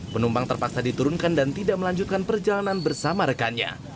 penumpang terpaksa diturunkan dan tidak melanjutkan perjalanan bersama rekannya